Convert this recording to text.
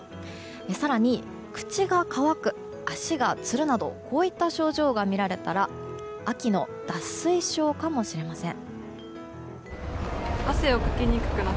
更に口が乾く、足がつるなどこういった症状が見られたら秋の脱水症かもしれません。